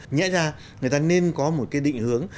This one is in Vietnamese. nghĩa ra người ta nên có một cái định hướng